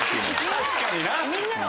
確かにな。